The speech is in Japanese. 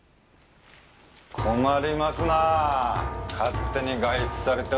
困りますなあ勝手に外出されては。